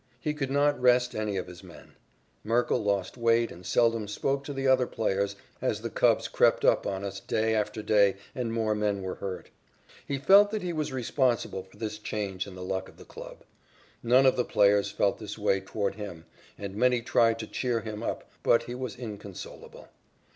He could not rest any of his men. Merkle lost weight and seldom spoke to the other players as the Cubs crept up on us day after day and more men were hurt. He felt that he was responsible for this change in the luck of the club. None of the players felt this way toward him, and many tried to cheer him up, but he was inconsolable.